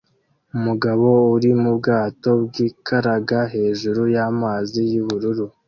Umugabo uri mu bwato bwikaraga hejuru yamazi yubururu